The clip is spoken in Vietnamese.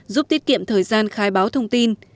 giúp tiết kiệm thời gian khai báo thông tin